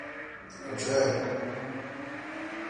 — Кочай!